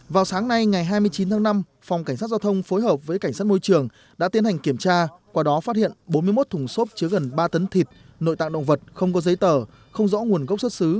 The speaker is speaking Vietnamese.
vào sáng nay ngày hai mươi chín tháng năm phòng cảnh sát giao thông phối hợp với cảnh sát môi trường đã tiến hành kiểm tra qua đó phát hiện bốn mươi một thùng xốp chứa gần ba tấn thịt nội tạng động vật không có giấy tờ không rõ nguồn gốc xuất xứ